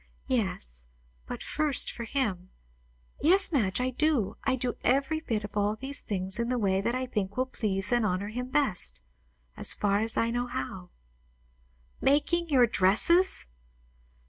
"Yes, but first for Him. Yes, Madge, I do. I do every bit of all these things in the way that I think will please and honour him best as far as I know how." "Making your dresses!"